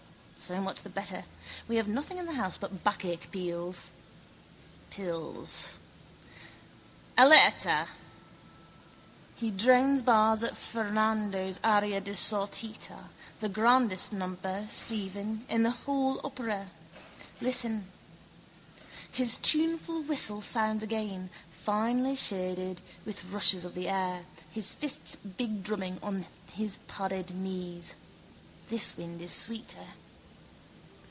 So much the better. We have nothing in the house but backache pills. All'erta! He drones bars of Ferrando's aria di sortita. The grandest number, Stephen, in the whole opera. Listen. His tuneful whistle sounds again, finely shaded, with rushes of the air, his fists bigdrumming on his padded knees. This wind is sweeter.